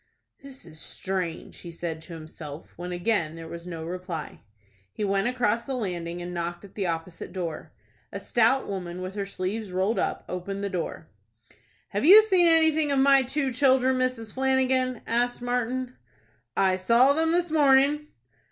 "This is strange," he said to himself when again there was no reply. He went across the landing, and knocked at the door opposite. A stout woman, with her sleeves rolled up, opened the door. "Have you seen anything of my two children, Mrs. Flanagan?" asked Martin. "I saw them this morning."